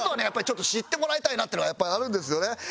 やっぱりちょっと知ってもらいたいなっていうのがやっぱりあるんですよね。